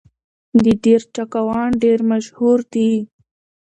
د دير چاکوان ډېر مشهور دي